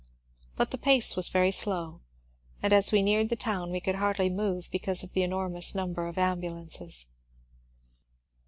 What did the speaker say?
But the pace was very slow, and as we neared the town we could hardly move because of the enormous number of ambulances.